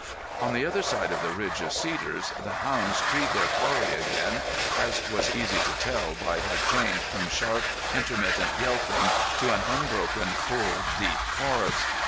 On the other side of the ridge of cedars the hounds treed their quarry again, as was easy to tell by their change from sharp intermittent yelping to an unbroken, full, deep chorus.